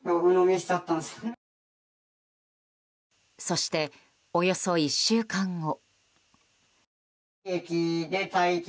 そして、およそ１週間後。